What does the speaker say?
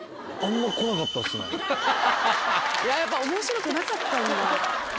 やっぱ面白くなかったんだ。